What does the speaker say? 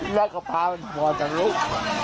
แล้วก็พาไปพอจากรุก